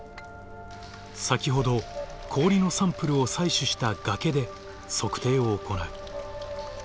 先ほど氷のサンプルを採取した崖で測定を行う。